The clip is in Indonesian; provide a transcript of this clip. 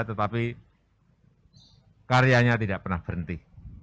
tetapi karyanya tidak pernah berhenti